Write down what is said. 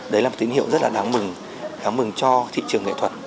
đấy là một tín hiệu rất là đáng mừng đáng mừng cho thị trường nghệ thuật